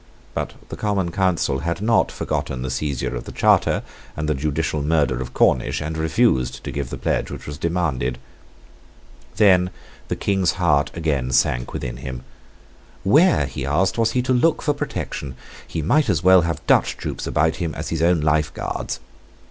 But the Common Council had not forgotten the seizure of the charter and the judicial murder of Cornish, and refused to give the pledge which was demanded. Then the King's heart again sank within him. Where, he asked, was he to look for protection? He might as well have Dutch troops about him as his own Life Guards.